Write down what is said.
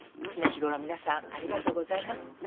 常日頃皆さんありがとうございます。